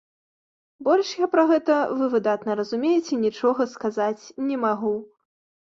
Больш я пра гэта, вы выдатна разумееце, нічога сказаць не магу.